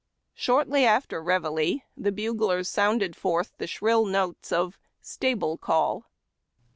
Shortly after Reveille, the buglers sounded forth the shrill notes of Stable Call.